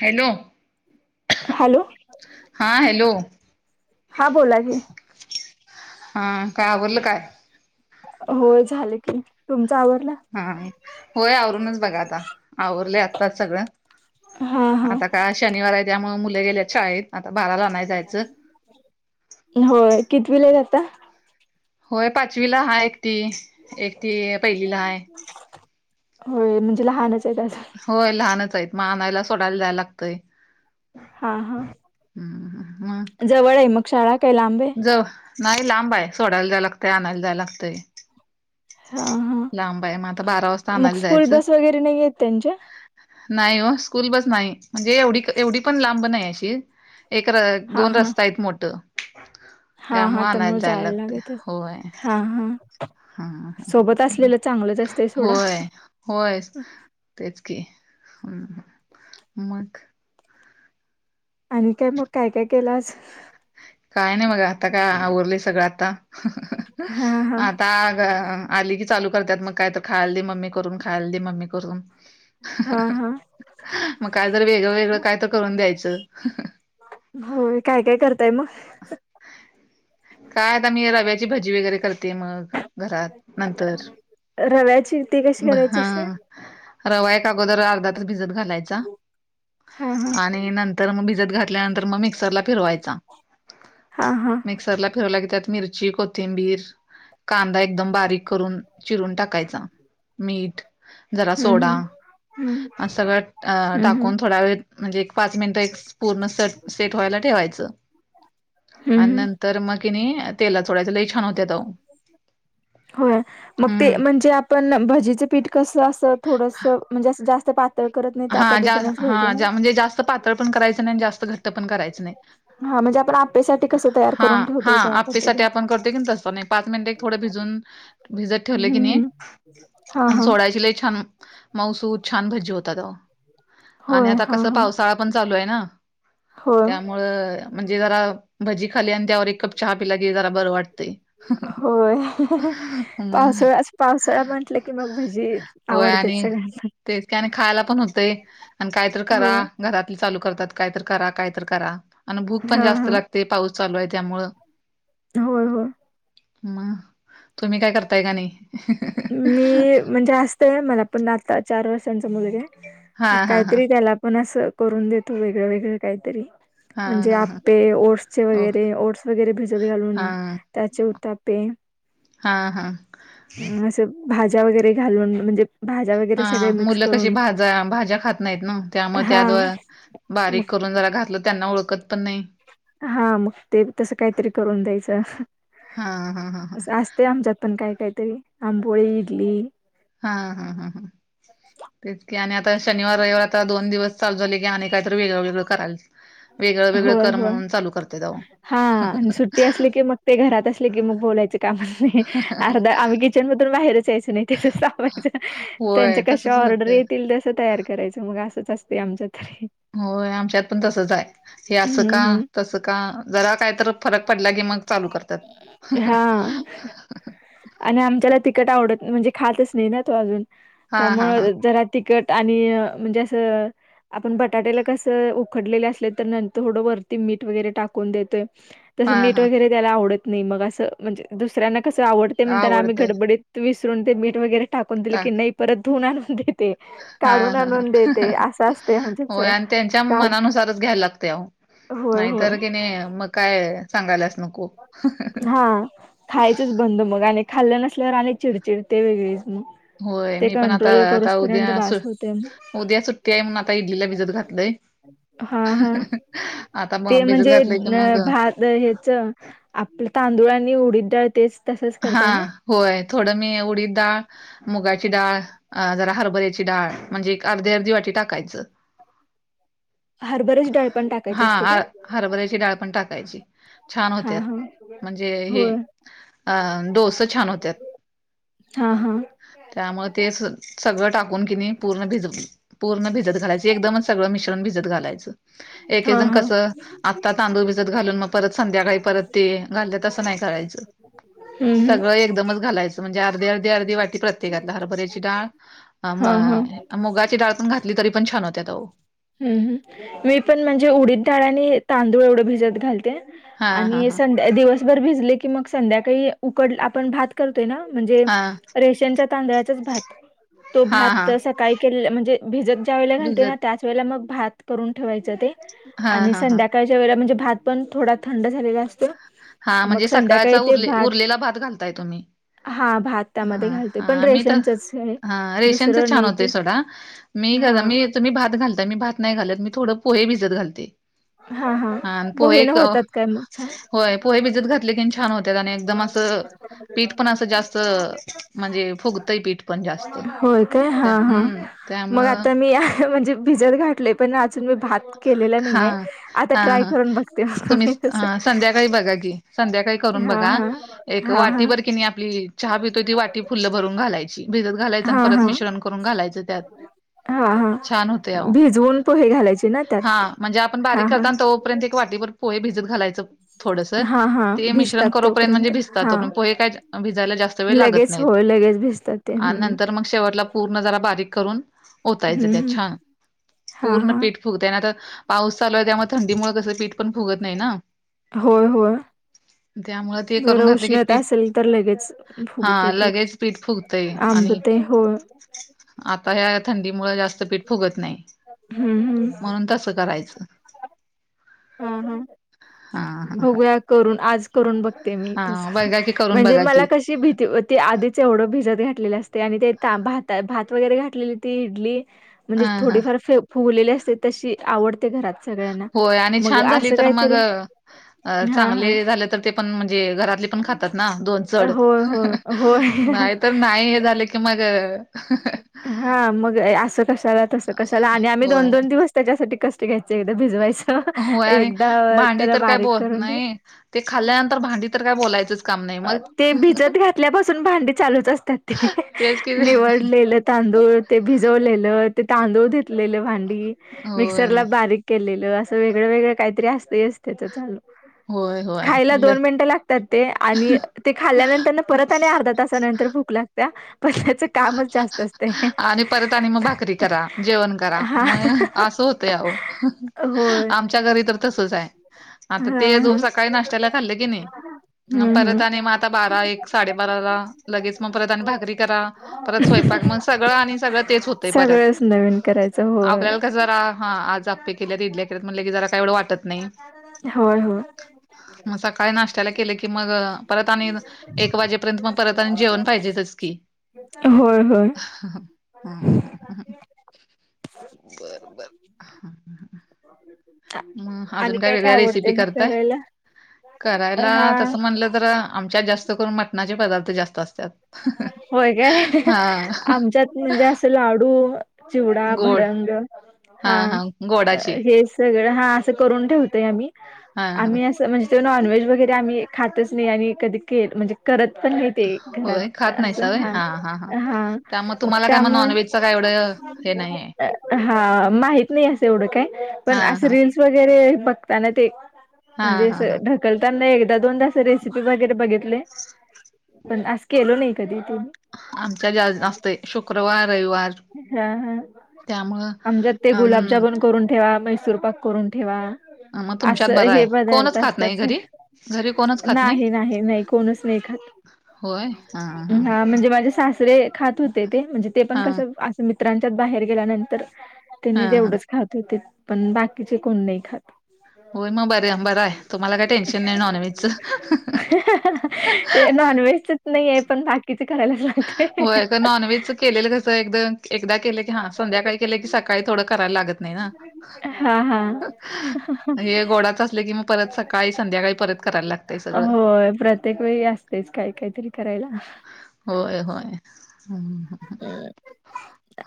Hello hello हा hello हा बोला की हा काय आवरल काय? हो झालं की तुमचा आवरल. हा होय, आवरूनच बघा आता आवरलय आता सगळं हा हा आता शनिवार आहे, त्यामुळे मुले गेलेत शाळेत आता बाराला आणायचं. होय, कितीवीला आहेत आत्ता? होय, पाचवीला हाय एकटी एकटी पहिलीला हाय. होय, म्हणजे लहानच आहेत अजुन. होय, लहानच आहेत मग आणायला सोडायला जायला लागतय. हा हा, हम्म मग जवळ आहे मग शाळा काय लांब आहे? जव- नाही लांब आहे, सोडायला जायला लागतय आणायला जायला लागतय. हा हा लांब आहे, म आता बारा वाजता मग आणायला स्कूल जायचं. बस वगैरे नाही आहेत त्यांच्या नाही हो, स्कूल बस नाही म्हणजे एवढी एवढी पण लांब नाही अशी. एक र हा -दोन हा रस्ता आहेत मोठ. हा हा, त्यामुळ जायला लागते लागत असलं होय हा हा. हा हा सोबत असलेलं चांगलंच असतंय सोडा. होय होय, तेच की मग? आणि काय मग, काय काय केला आज? काय नाही बघा, आता काय आवरलय सगळं आता हा हा आ आता गं आली की चालू करतात मग, काय तर खायला दे मम्मी करून खायला दे मम्मी करून. हा हा. मग काय जर वेगळं वेगळं काय तर, करून द्यायचं. होय, काय काय करताय मग? काय आता मी रव्याची भजी वगैरे करते, मग घरात नंतर. रव्याची ती कशी करायची असतात? हा रवा एक अगोदर अर्धा तास भिजत घालायचा. हा हा आणि नंतर मग भिजत घातल्यानंतर मग, मिक्सरला फिरवायचा. हा हा. मिक्सर ला फिरवला की, त्यात मिरची कोथिंबीर कांदा एकदम बारीक करून. चिरून टाकायचा मीठ जरा हम्म सोडा. हम्म हम्म असं सगळं हम्म टाकून थोड्या वेळ म्हणजे एक पाच मिनिट पूर्ण सेट व्हायला, ठेवायच आणि हम्म नंतर तर म किनय तेलात सोडायचे लय होय, मग ते हम्म म्हणजे आप पण भजीचं पीठ कसं असं थोडस म्हणजे, असं जास्त पातळ करत नाही, त्या हा जा पद्धतीने घ्यायचं ना. हा म्हणजे जास्त पातळ पण कयचं नाही, आणि जास्त घट्ट पण करायच नाही. हा म्हणजे आपण आपेसाठी कसं तयार हा करून हा, ठेवतोय त्या आप्पे साठी पद्धतीने आपण करतो की, तस पण पाच मिनिटे थोड भिजवून भिजत ठेवले की नि, हम्म हा आणि हा सोडायच लय छान मऊसुद छान भजी होतात, आवो. आणि होय आता हा कसं हा पावसाळा पण चालू आहे ना, होय त्यामुळं मुळे म्हणजे जरा भजी खाल्ल्याने होय, मग पावसाळा असं पावसाळा म्हटलं की, मग भजी होय आवडते आणि सगळ्यांना. तेच कि आणि खायला पण होतय. काय तर करा हो घरातली चालू करतात काय तर, करा काय तर करा. आणि भूक पण हा जास्त हा लागते, पाऊस चालू आहे त्यामुळं. होय होय. मग तुम्ही काय करताय का नाही? मी म्हणजे असतय मला, पण आता चार वर्षांचा मुलगा आहे हा मग हा हा काहीतरी त्याला पण असं करून देतो, वेगळ वेगळ काही तरी. हा म्हणजे हा हा आप्पे ओट्सचे हो वगैरे ओट्स वगैरे भिजत हा घालून. त्याचे उतापे हा हा अ असं भाज्या वगैरे घालून म्हणजे भाज्या हा वगैरे सगळे मिक्स मुलं कशी करून भाज्या भाज्या खात नाहीत ना. त्या मग हा त्याद मग बारीक करून जरा घातलं त्यांना ओळखत पण नाही. हा मग ते तस काहीतरी करून द्यायच. हा हा हा हा अस आस ते आमच्यात पण काही काही ते आंबोळी, इडली हा हा हा हा तेच की आणि आता शनिवार रविवार आता दोन दिवस चालू झाले की आणि काहीतरी वेगळं वेगळं कराल. वेगळं वेगळं होय कर होय म्हणून चालू करत्यात अहो. हा आणि सुट्टी असली की मग ते घरात असले की मग बोलायचे काम नाही. अर्धा आम्ही किचन मधून बाहेर जायचं नाही. तिथेच थांबायच. होय त्यांच्या तसच कशा ऑर्डर होतय येतील तस तयार करायचं मग असंच असते आमच्या तरी. होय आमच्यात पण तसच आहे. हे अस हम्म का हम्म तस का जरा काय तर फरक पडला की मग चालू करतात. हा आणि आमच्याला तिकट आवडत म्हणजे खातच नाही ना तो अजून. हा त्यामु हा हा जरा तिकट आणि म्हणजे असं आपण बटाटेला कसं उखडलेले असले तर नंतर थोडं वरती मीठ वगैरे टाकून देतोय. हा तसं मीठ हा वगैरे त्याला आवडत नाही. मग असं म्हणजे दुसऱ्यांना कसं आवडते म्हणताना आम्ही आवडतय गडबडीत तू विसरून ते मीठ वगैरे टाकून दिले की, ताक नाही परत धुन आणून दे. हा ह ह असं असते होय आमच्याच आणि त्यांच्या काढ मनानुसारच घ्यायला लागतय अहो. होय होय नाहीतर कि नाही मग काय सांगायलाच नको. हा खायचच बंद मग आणि खाल्लं नसल्यावर आणि चिडचिड ते वेगळेच मग होय ते मी पण आता कंट्रोल आता करूसपर्यंत उद्या सु बास होते उद्या सुट्टी आहे म्हणून आता इडलीला भिजत घातलंय. हा हा आता ते मग भिजत म्हणजे घातलंय की अ मग भात तर हेच आपलं तांदुळ आणि उडीद डाळ तेच तसंच हा करताय ना होय थोडं मी उडीदडाळ मुगाची डाळ जरा हरभऱ्याची डाळ म्हणजे एक अर्धी अर्धी वाटी टाकायच. [inaudible] हरभऱ्याची डाळ पण टाकायची हां, असते आ का? हरभऱ्याची डाळ पण टाकायची. छान हा होत्यात हा म्हणजे हे होय अ डोस छान होत्यात. हा हा त्यामुळे ते सगळं टाक टाकून कि पूर्ण भिजत पूर्ण भिजत घालायच. एकदमच सगळं मिश्रण भिजत घालायच. एक एक हा जण हा कस आत्ता तांदूळ भिजत घालून मग परत संध्याकाळी परत ते घालत तसं नाही करायच. हम्म हम्म सगळं एकदमच घालायच. म्हणजे अर्धी अर्धी अर्धी वाटी प्रत्येकाला. हरभऱ्याची डाळ, हा हा मुगाची डाळ पण घात तरी पण छान होत्यात अहो. हम्म मी पण म्हणजे उडीद डाळ आणि तांदूळ एवढ भिजत घालते. हा हा आणि हा संध्या दिवसभर भिजले की मग संध्याकाळी उकड आपण भात करतोय ना म्हणजे हा रेशनच्या तांदळाचाच भात. तो हा भात हा तसा काही केलेलं म्हणजे भिजत ज्या वेळेला घालते ना भिजत त्याच वेळेला मग भात करून ठेवायचं ते. हा आणि हा हा संध्याकाळच्या वेळेला म्हणजे भात पण थोडा थंड झालेला असतो. हा म्हणजे मग सकाळचा संध्याकाळी ते उरले उरलेला भात घालताय तुम्ही. हा भात त्यामध्ये हा घालतोय हा पण मी तर रेशनचच आहे. ह रेशनच दुसरं छान नाही होतय ते सोडा मी घ हा मी तुमी भात घालताय. मी भात नाही घालत मी थोडं पोहे भिजत घालते. हा हा अ पोहे न को होतात काय मग होय पोहे छान भिजत घातले की छान होते. त्याच्याने एकदम असं पीठ पण असं जास्त म्हणजे फुगतंय पीठ. पण जास्त. होय काय त्या हा हा हम्म मग त्यामुळं आता मी म्हणजे भिजत घातलय पण अजून मी भात केलेलं हा नाहीये, आता हा ट्राय करून बघते मी तस व्हय बघा की, संध्याकाळी करून हा बघा हा एक हा हा वाटीबरं कि नाही आपली चहा पितोय ती वाटी फुल्ल भरून घालायची. भिजत घालायचं आणि हा परत हा मिश्रण करून घालायचं त्यात हा हा छान होतय आओ. भिजवून पोहे घालायचे ना त्यात हा म्हणजे, आपण हा बारीक हा करताना तोपर्यंत एक वाटीबर पोहे भिजत घालायचं थोडसं हा हा ते मिश्रण भिजतात करोपर्यंत म्हणजे तोपर्यंत भिजतात, हा तोपर्यंत पोहे काय भिजायला जास्त जास्त वेळ लागत लगेच नाहीत होय लगेच भिजतात ते आणि हम्म नंतर मग शेवटला पूर्ण जरा बारीक करून ओतायच हम्म त्यात हम्म. छान हा पूर्ण हा पीठ फुगतय नाहीतर पाऊस चालू हाय, त्यामुळे थंडीमुळ कसं पीठ पण फुगत नाही ना? होय होय. त्यामुळे ते जर करून घातलं की पीठ उष्णता असेल तर, लगेच हा फुगतय पीठ लगेच फुगतंय आणि आंबतय होय. आता ह्या थंडी मूळ जास्त पीठ फुगत नाही. हुं हुं. म्हणून तसं करायचं हा- हा. हा हा बघूया करून आज करून बघते मी, तस हा बघा की करून म्हणजे बघा मला की कशी भीती होती ते आधीच एवढं भिजत घातलेलं, असतय आणि ते भात भात वगैरे घातलेली ती इडली हा म्हणजे हा थोडीफार फ फुगलेली असतिया तशी आवडते घरात सगळ्यांना होय आणि मग छान झाली आसं तर मग काहीतरी अ हा चांगले हा झाले तर ते पण म्हणजे, घरातले पण खातात ना दोन चड होय होय [unintelligible] होय नाही तर नाही हे झाले की मग हा मग असं कशाला? तस कशाला आणि आम्ही होय दोन- दोन दिवस त्याच्यासाठी कस्ट घ्यायचे एवढ भिजवायच! [unintelligible] होय आणि एकदा भांडी त्याला तर काय बारीक बोल करून ठेव नाही ते खाल्ल्यानंतर भांडी तर काय बोलायचंच काम नाही मग ते भिजत घातल्यापासून भांडी चालूच, असत्यात ते तेच कि निवळ लेल तांदूळ, ते भिजवलेलं, ते तांदूळ घेतलेलं भांडी होय मिक्सरला बारीक केलेलं, असं वेगळं वेगळं काहीतरी असतच त्याच चालू होय- होय. खायला ल दोन मिनटं लागतात. ते आणि ते खाल्ल्यानंतर परत आणि अर्ध्या तासानंतर भूक लाग गतिया पहिल्याच कामच जास्त असतंय आणि परत आणि मग भाकरी करा, जेवण करा हा मग असं होतंय आओ होय आमच्या घरी तर तसच हाय. आता ते हा जो हा सकाळी नाश्त्याला खाल्ले क नी, हम्म परत आणि हम्म मग आता बारा एक साडेबाराला लगेच मग परत आणि भाकरी करा, परत स्वयंपाक मग सगळं आणि सगळं तेच होतंय परत. सगळंच नवीन करायचं. होय. आपल्याला कस जरा हा आज आप्पे केल्यात, इडल्या केल्यात म्हटलं की, जरा काय एवढं वाटत नाही. होय- होय. मग सकाळी नाष्ट्याला केले की मग, परत आणि एक वाजेपर्यंत मग परत आणि जेवण पाहिजेतच की होय- होय. बर- बर. [unintelligible] म आणि अजून काय वेगळ्या आवडते रेसिपी मग करताय? करायला? करायला हा. तसं म्हणलं तर, आमच्यात जास्त करून मटणाचे पदार्थ जास्त असत्यात. [unintelligible] होय काय? [unintelligible] आमच्यात म्हणजे असं लाडू, चिवडा, गोड भडंग हा हे सगळं हा असं करून ठेवतोय, आम्ही हा हा आम्ही असं म्हणजे नॉनव्हेज वगैरे आम्ही खातच नाही आणि कधी केल म्हणजे करत पण नाही ते होय घरात खात नाहीसा असं होय हा हा त्यामुळे मग तुम्हाला काय त्यामुळ नॉनव्हेजचं काय एवढं हे नाही आहे हा माहीत नाही असं एवढं काय? हा पण असं हा री वर ब म्हण. हा हा हा कलताना एकदा दोनदाास रेसिपी वगैरे बघितले पण अस केलो नाही कधी तुम्ही. आमच्या जा असते शुक्रवार-रविवार. हा हा. आमच्यात ते अम गुलाबजामन करून ठेवा, मैसूर पाक करून ठेवा. मग तुमच्यात असं बरं हे आहे पदार्थ कोणच खात नाही असतच. घरी घरी कोणच खात नाही नाही नाही कोणच नाही ख हा म्हणजे माझे सासरे खात होते ते म्हणजे ते पण हा कस. मित्रांच्याच बाहेर गेल्यानंतर हा त्यांनी हा तेवढंच खातते होते. पण बाकीचे कोण नाही खात. होय मग बर बरं आहे तुम्हाला काय टेन्शन नाही नॉन व्हेजच. [unintelligible] [unintelligible] ते नॉनव्हेजच नाहीये पण बाकी. किती करायला. होय का नॉन व्हेज केलेलं कसं एकदम. एकदा केलं की हां संध्याकाळी केले की सकाळी थोडं करायला लागत नाही ना. हा हा. [unintelligible] हे गोडाच असले की मग परत सकाळी संध्याकाळी परत करायला लागतय. होय प्रत्य. प्रत्येक वेळी असतेच काही काहीतरी करायला. होय होय ह. [inaudible] अ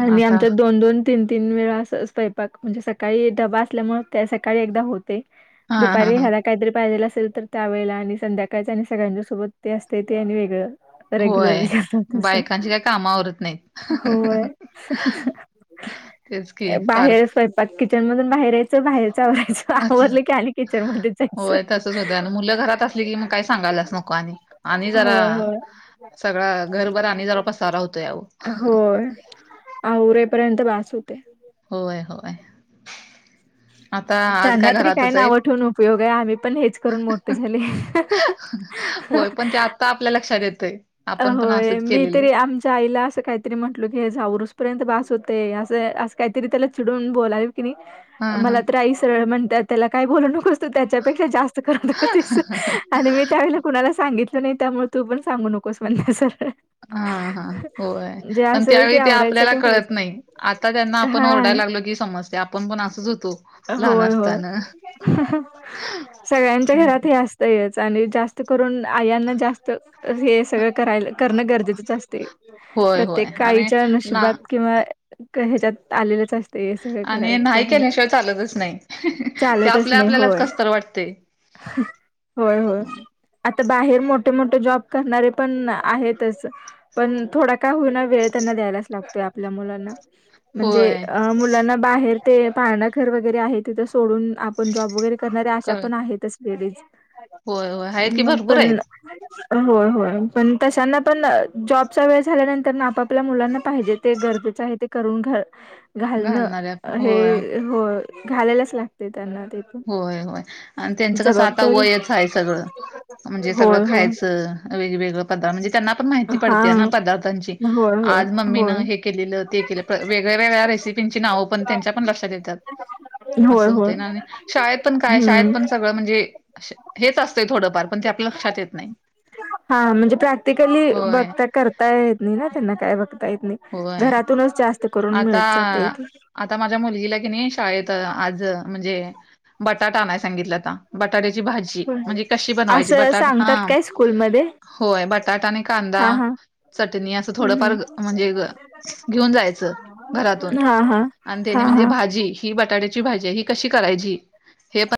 आणि आमच्या दोन-दोन. तीन-तीन वेळा अस स्वयपाक म्हणजे सकाळी डबा असल्यामुळे ते सकाळी एकदा होते. हा हा दुपारी हा ह काहीतरी पाहिजेला असेल तर त्या ववेळेला आणि संध्याकाळच आणि सगळ्यांच्या सोबत ते असते ते आणि वेगळं. रेग्युलरली कर तुस. कामावरत. होय तेच की सारखं बाहेरच. [unintelligible] ग किचन मधून बाहेर य. बाहेरचवयचं अच्छा आवडलं की आणिली किचन मध्ये होय जायचं. तसंच होतंय आणि मुलं घरात असली [inaudible] की मग काय सांगायलाच आणि आणि जरा होय होय सगळा घरभर आणि जरा पसारा होतो अह. होय आ उरेपर्यंत वाच होते. होय होय. आता आज त्यांना काय तरी काही घरातच ना आहेत आवठवून उपयोग आहे आम्ही पण हेच करून मोठे झाले. होय पण ते आता आपल्या लक्षात येतय. अ होय मी तरी आमच्या आईला असं काय. तरी म्हटलो की झाऊस पर्यंत बस होते असं अस काहीतरी त्याला चिडून बोलाव की नाही. हां, मला हां. तर आई सरळ म्हणत त्याला काही बोलू नकोसतो त्याच्यापेक्षा जास्त करून नकते. आणि मी त्यावेळेला कुणाला सांगितलं नाही त्यामुळे तू पण सांगू नकोस म्हण सर. हा हा होय पण त्यावेळी ते आपल्याला कळत नाही आता त्यांना आपण हा ओरडायला लागलो की समज. होय होय असताना. सगळ्यांच्या हं. घरात हे असत. च आणि जास्त करून आयांना जास्त हे सगळं करायला. करणं गरजेचंच असते होय, होय. प्रत्येक आणि काळीच्या ना नशिबात. किंवा ह्याच्यात आलेलेच असते. सगळं आणि करायला नाही करणं केल्याशिवाय चालतच नाही ते चालतच आपल्या नाही आपल्यालाच होय कसतर वाटते. होय होय हं. आता बाहेर मोठे मोठे जॉब करणारे. पण आहेतच. पण थोडा काय होई ना वेळ त्यांना द्यायलाच लागतोय आपल्या मुलांना. म्हणजे होय. अ मुलांना बाहेर ते पाळणा घर वगैरे आहे तिथं सोडून आपण जॉब वगैरे करणारे अशा कळ पण आहेतच. येरीच होय, होय. आहेत की उम्म भरपूर पण आहेत होय होय. पण तशांना पण जॉबचा वेळ झाल्यानंतर ना आपापल्या मुलांना पाहिजे ते गरजेचं आहे ते. करून घ घालणं घालणाऱ्या. होय, हे हो घालायलाच लागतंय त्यांना ते. पण होय होय. आणि त्यांचं कसं आता जबाबदारी वयच आहे सगळं म्हणजे सगळं होय होय खायचं. वेगवेगळे पदा म्हणजे त्यांना पण माहिती हा पडते ना पदार्थांची. होय होय आज होय मम्मीनं हे केलेलं ते केलं वेगळ्या, वेगळ्या रेसिपींची नाव पण त्यांच्या पण लक्षात येतात. होय असं होय होतंय ना आणि शाळेत पण काय शाळेत हम्म पण सगळं म्हणजे हेच असतंय थोडंफार पण ते आपल्या लक्षात येत नाही. हा म्हणजे प्रॅक्टिकली होय बघता करता येत नाही ना त्यांना काय बघता येत नाही. होय घरातूनच जास्त करून आता मिळत जातय इथे. आता माझ्या मुलगीला कि नाही शाळेत आज म्हणजे बटाटा आणायला सांगितलं आता बटाट्याची भाजी जी होय. म्हणजे कशी बनवायची असं बटाट हा सांगतात काय स्कूलमध्ये होय बटाटा आणि कांदा हा हा चटणी असं हम्म थोडफार ग हम्म म्हणजे ग घेऊन जायचं घरातून हा हा आणि त्यांनी हा म्हणजे हा. भात जी ही बटाट्याची भाजी ही कशी करायची हे पा